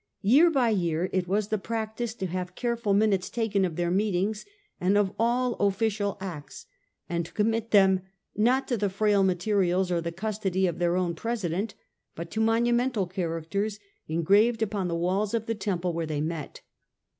Year by year it was the practice to have the official caretul minutes taken of their meetings and of wScKtiU*^ all oflicial acts, and to commit them, not to remain, frail materials or the custody of their own president, but to monumental characters engraved upon the walls of the temple where they met.